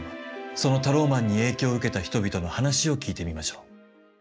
そのタローマンに影響を受けた人々の話を聞いてみましょう。